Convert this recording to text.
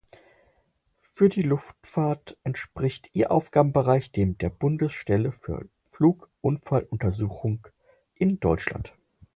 Für die Luftfahrt entspricht ihr Aufgabenbereich dem der Bundesstelle für Flugunfalluntersuchung in Deutschland.